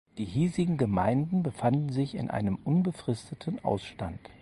Die hiesigen Gemeinden befanden sich in einem unbefristeten Ausstand.